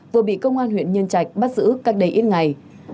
vừa bị công an huyện nhân trạch bắt giữ cách đây ít ngày